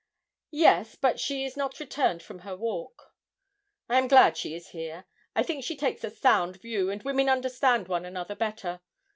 'Yes, but she is not returned from her walk.' 'I am glad she is here. I think she takes a sound view, and women understand one another better.